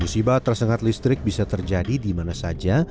usiba tersengat listrik bisa terjadi dimana saja